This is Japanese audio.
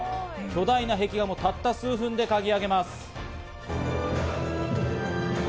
巨大な壁画もたった数分で描き上げます。